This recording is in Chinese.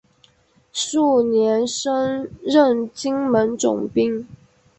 翌年升任金门总兵。